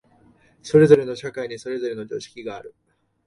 それぞれの社会にそれぞれの常識がある。